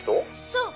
そう！